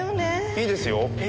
いいですよ。え？